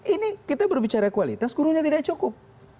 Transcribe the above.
ini kita berbicara kualitas gurunya tidak cukup